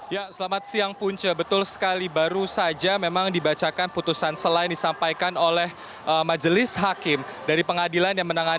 ya selamat siang punya